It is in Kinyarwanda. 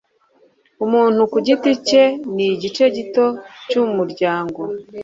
Umuntu ku giti cye nigice gito cyumuryango